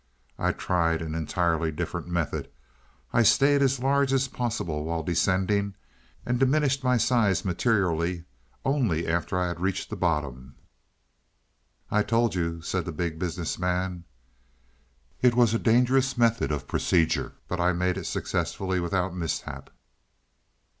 I tried an entirely different method; I stayed as large as possible while descending, and diminished my size materially only after I had reached the bottom." "I told you " said the Big Business Man. "It was a dangerous method of procedure, but I made it successfully without mishap.